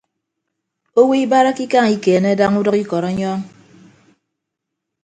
Owo ibarake ikañ ikeene daña udʌk ikọt ọnyọọñ.